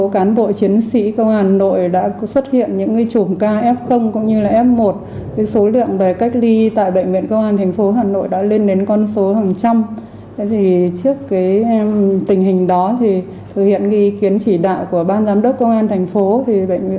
cái thứ hai nữa là trong thời gian tới